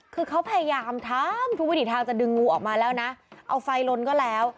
คือเขาพยายามทำทุกวิถีทางจะดึงงูออกมาแล้วนะเอาไฟลนก็แล้ว